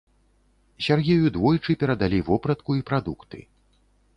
Сяргею двойчы перадалі вопратку і прадукты.